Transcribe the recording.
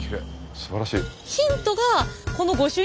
すばらしい。